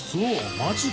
マジで？